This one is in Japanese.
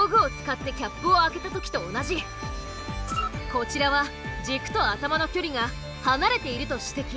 こちらは軸と頭の距離が離れていると指摘。